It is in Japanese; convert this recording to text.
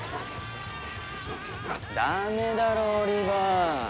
ダメだろオリバー。